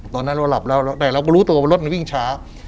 ตอนนั้นเราหลับแล้วแต่เราก็รู้ตัวว่ารถมันวิ่งช้า